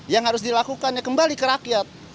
yang harus dilakukannya kembali ke rakyat